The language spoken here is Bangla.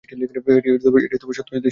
এটি সত্যজিতের শেষ চলচ্চিত্র।